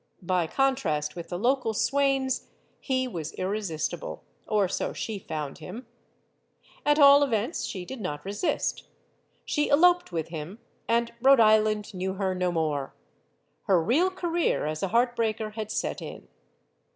By contrast with the local swains, he was irresistible. Or so she found him. At all events, she did not resist. She eloped with him, and Rhode Island knew her no more. Her real career as a heart breaker had set in.